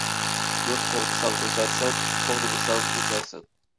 يۇرت قوغدىساڭ ئۆسەرسەن . قوغدىمىساڭ ئۆچەرسەن.